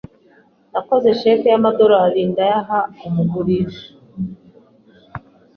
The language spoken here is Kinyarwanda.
Nakoze cheque y'amadorari ndayaha umugurisha.